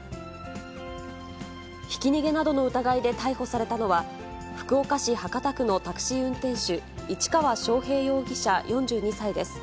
ひき逃げなどの疑いで逮捕されたのは、福岡市博多区のタクシー運転手、市川祥平容疑者４２歳です。